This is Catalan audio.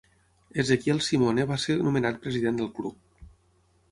Ezequiel Simone va ser nomenat president del Club.